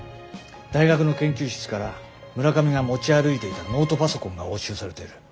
大学の研究室から村上が持ち歩いていたノートパソコンが押収されてる。